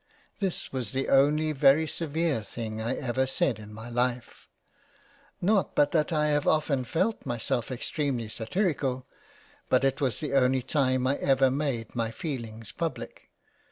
This was the only very severe thing I ever said in my Life ; not but that I have often felt myself extremely satirical but it was the only time I ever made my feelings public.